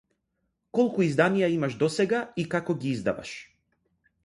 Колку изданија имаш досега и како ги издаваш?